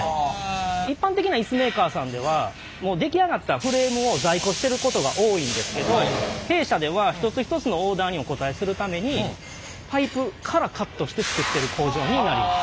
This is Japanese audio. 一般的なイスメーカーさんではもう出来上がったフレームを在庫してることが多いんですけど弊社では一つ一つのオーダーにお応えするためにパイプからカットして作ってる工場になります。